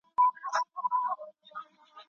ستا اواز دی او زه وران یم او زه وران یم